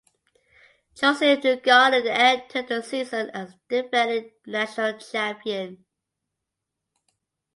Josef Newgarden entered the season as the defending National Champion.